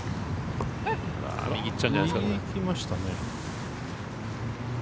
右行きましたね。